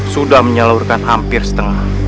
sudah menyalurkan hampir setengah